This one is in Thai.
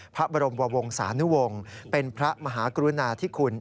พระบรมวงศานุวงศ์เป็นพระมหากรุณาธิคุณ